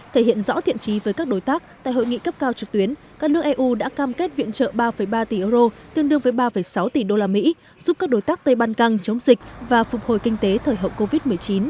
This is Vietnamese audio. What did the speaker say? thể hiện rõ thiện trí với các đối tác tại hội nghị cấp cao trực tuyến các nước eu đã cam kết viện trợ ba ba tỷ euro tương đương với ba sáu tỷ đô la mỹ giúp các đối tác tây ban căng chống dịch và phục hồi kinh tế thời hậu covid một mươi chín